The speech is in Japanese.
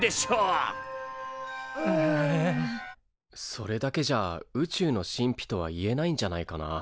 それだけじゃ宇宙の神秘とは言えないんじゃないかな。